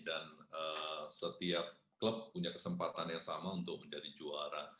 dan setiap klub punya kesempatan yang sama untuk menjadi juara